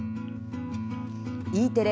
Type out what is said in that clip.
Ｅテレ